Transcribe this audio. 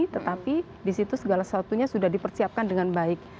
tetapi di situ segala sesuatunya sudah dipersiapkan dengan baik